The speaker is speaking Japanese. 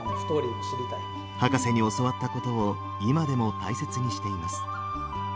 博士に教わったことを今でも大切にしています。